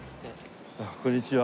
こんにちは。